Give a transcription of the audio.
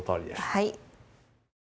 はい。